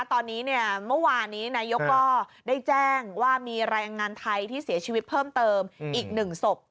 ตอนนี้เนี่ยเมื่อวานนี้นายกก็ได้แจ้งว่ามีแรงงานไทยที่เสียชีวิตเพิ่มเติมอีก๑ศพ